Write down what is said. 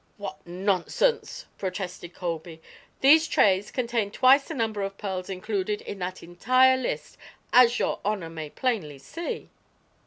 "What nonsense!" protested Colby. "These trays contain twice the number of pearls included in that entire list, as your honor may plainly see."